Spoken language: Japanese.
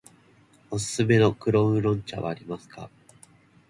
おすすめの黒烏龍茶はありますか。